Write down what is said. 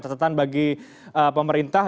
catatan bagi pemerintah